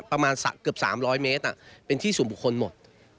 ประมาณสักเกือบสามร้อยเมตต่างเป็นที่สุ่มบุคคลหมด